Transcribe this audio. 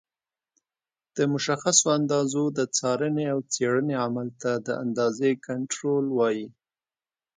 د مشخصو اندازو د څارنې او څېړنې عمل ته د اندازې کنټرول وایي.